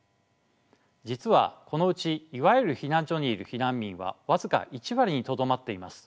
実はこのうちいわゆる避難所にいる避難民は僅か１割にとどまっています。